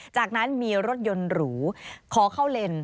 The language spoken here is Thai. จากนั้นมีรถยนต์หรูขอเข้าเลน